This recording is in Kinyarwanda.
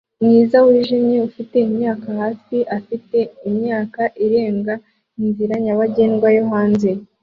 mwiza wijimye ufite imyaka hafi - afite imyaka irenga inzira nyabagendwa yo hanze